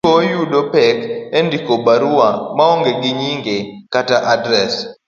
Jondiko yudo pek e ndiko barua maonge gi nyinge kata adres,